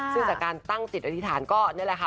ซึ่งจากการตั้งจิตอธิษฐานก็นี่แหละค่ะ